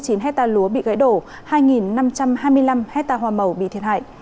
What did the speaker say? tám trăm bốn mươi chín hecta lúa bị gãy đổ hai năm trăm hai mươi năm hecta hòa màu bị thiệt hại